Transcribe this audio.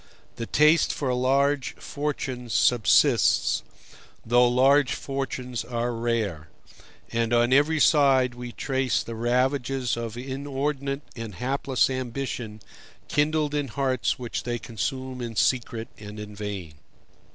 The taste for large fortunes subsists, though large fortunes are rare: and on every side we trace the ravages of inordinate and hapless ambition kindled in hearts which they consume in secret and in vain.